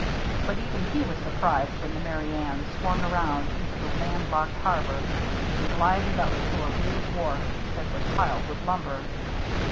But even he was surprised when the Merry Anne swung around into the land locked harbor and glided up to a rude wharf that was piled with lumber.